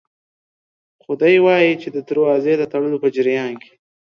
خو دی وايي چې د دروازې د تړلو په جریان کې